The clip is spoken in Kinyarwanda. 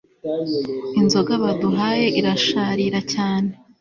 inzoga baduhaye irasharira cyane